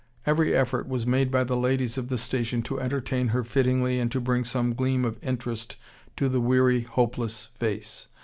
Every effort was made by the ladies of the station to entertain her fittingly and to bring some gleam of interest to the weary, hopeless face.